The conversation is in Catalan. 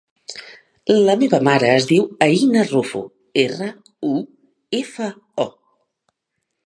La meva mare es diu Aïna Rufo: erra, u, efa, o.